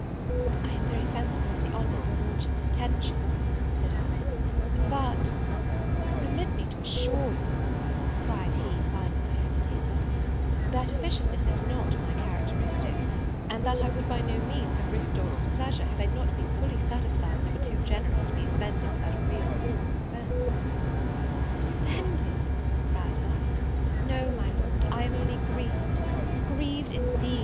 "I am very sensible of the honour of your lordship's attention," said I; "but " "Permit me to assure you," cried he, finding I hesitated, "that officiousness is not my characteristic; and that I would by no means have risked your displeasure, had I not been fully satisfied you were too generous to be offended without a real cause of offence." "Offended!" cried I, "no, my Lord, I am only grieved grieved, indeed!